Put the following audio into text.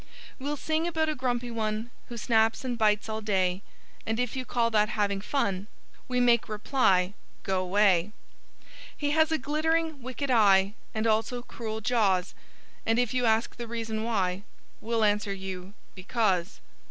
"We'll sing about a grumpy one Who snaps and bites all day. And if you call that "having fun" We make reply, "Go 'way!" He has a glittering, wicked eye And also cruel jaws. And if you ask the reason why, We'll answer you, _"Because!"